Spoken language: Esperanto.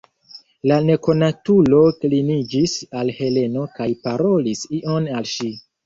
La nekonatulo kliniĝis al Heleno kaj parolis ion al ŝi.